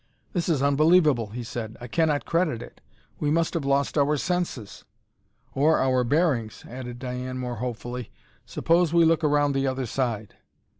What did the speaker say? "This is unbelievable!" he said. "I cannot credit it. We must have lost our senses." "Or our bearings!" added Diane, more hopefully. "Suppose we look around the other side."